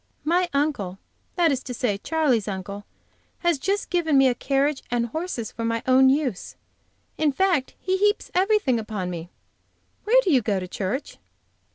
"My uncle that is to say Charley's uncle has just given me a carriage and horses for my own use. In fact, he heaps everything upon me. Where do you go to church?"